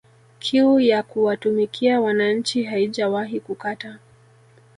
Kiu ya kuwatumikia wananchi haijawahi kukata